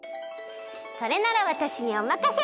それならわたしにおまかシェル！